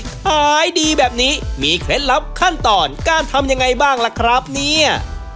ขายดีแบบนี้มีเคล็ดลับขั้นตอนการทำยังไงบ้างล่ะครับเนี่ย